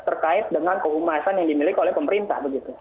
terkait dengan kehumasan yang dimiliki oleh pemerintah